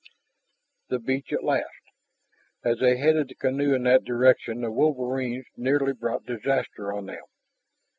The beach at last! As they headed the canoe in that direction the wolverines nearly brought disaster on them.